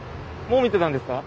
もう見てたんですか？